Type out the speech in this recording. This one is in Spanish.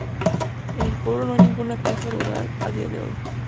En el pueblo no hay ninguna casa rural a dia de hoy.